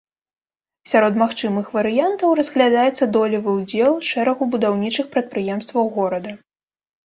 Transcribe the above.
Сярод магчымых варыянтаў разглядаецца долевы ўдзел шэрагу будаўнічых прадпрыемстваў горада.